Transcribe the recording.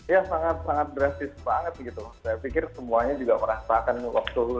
ya sangat sangat drastis banget gitu saya pikir semuanya juga merasakan waktu